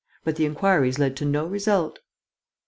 But the inquiries led to no result."